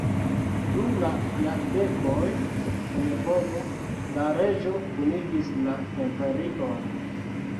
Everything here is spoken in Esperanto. Du la jardekoj en povo, la reĝo kunigis la imperion.